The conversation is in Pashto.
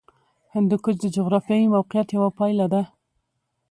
هندوکش د جغرافیایي موقیعت یوه پایله ده.